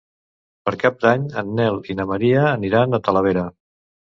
Per Cap d'Any en Nel i en Maria aniran a Talavera.